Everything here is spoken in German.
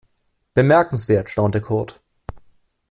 Bemerkenswert, staunte Kurt.